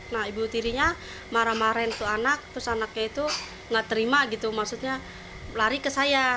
nah ibu tirinya marah marahin itu anak terus anaknya itu nggak terima gitu maksudnya lari ke saya